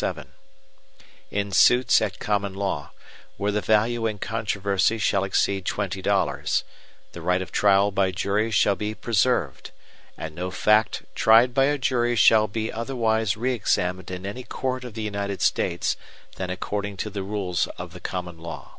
VII In suits at common law, where the value in controversy shall exceed twenty dollars, the right of trial by jury shall be preserved, and no fact tried by a jury shall be otherwise re examined in any court of the United States, than according to the rules of the common law.